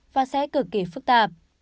và sẽ cực kỳ phức tạp